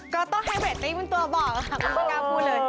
ก็ต้องให้เว็บนี้เป็นตัวบอกค่ะคุณประกาศพูดเลย